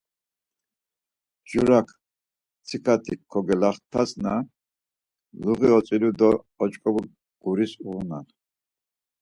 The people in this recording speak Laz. Mjorak mtsika ti kogelaktasna, luği otzilu do oç̆k̆omu guris, uğunan.